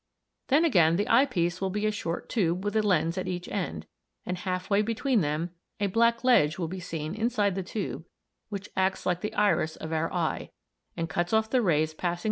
Then again the eye piece will be a short tube with a lens at each end, and halfway between them a black ledge will be seen inside the tube which acts like the iris of our eye (i, Fig.